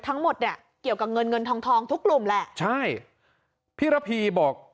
ทั้งหมดเนี่ยเกี่ยวกับเงินเงินทองทองทุกกลุ่มแหละใช่พี่ระพีบอก